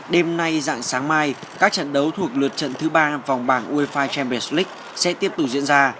đêm nay dạng sáng mai các trận đấu thuộc lượt trận thứ ba vòng bảng wifi champions league sẽ tiếp tục diễn ra